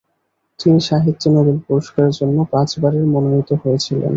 তিনি সাহিত্যে নোবেল পুরস্কারের জন্য পাঁচবারের মনোনীত হয়েছিলেন।